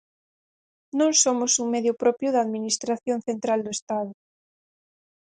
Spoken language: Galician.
Non somos un medio propio da Administración central do Estado.